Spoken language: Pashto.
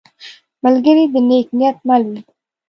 ملګری د نیک نیت مل وي